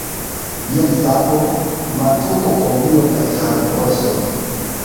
Jen sapo, mantuko, kombilo kaj harbroso.